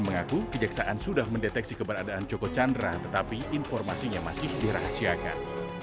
mengaku kejaksaan sudah mendeteksi keberadaan joko chandra tetapi informasinya masih dirahasiakan